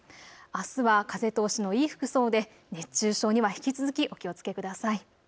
あすは風通しのいい服装で熱中症には引き続きお気をつけください。